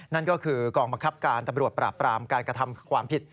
นั่นก็คือกองบังคับการตำรวจปราบปรามการกระทำความผิด